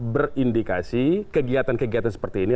berindikasi kegiatan kegiatan seperti ini